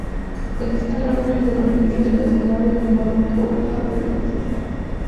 Existe un álbum de remixes relacionado llamado "Two Pages Remixed".